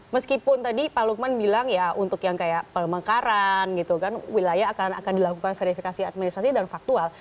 meskipun tadi pak lukman bilang ya untuk yang kayak pemekaran gitu kan wilayah akan dilakukan verifikasi administrasi dan faktual